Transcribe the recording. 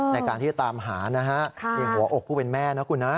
ในการที่จะตามหานะฮะนี่หัวอกผู้เป็นแม่นะคุณนะ